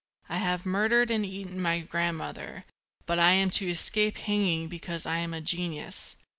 I have murdered and eaten my grandmother, but I am to escape hanging because I am a genius.